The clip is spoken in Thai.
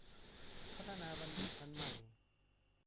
พัฒนาบัณฑิตพันธุ์ใหม่